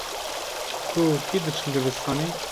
Tu û kî diçin dibistanê?